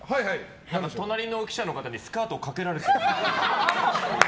隣の記者の方にスカートをかけられてるんですが。